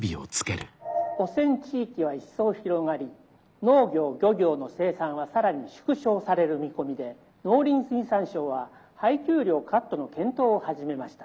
「汚染地域は一層広がり農業漁業の生産は更に縮小される見込みで農林水産省は配給量カットの検討を始めました。